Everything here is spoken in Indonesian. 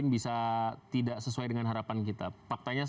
tetaplah bersama kami di cnn indonesia prime news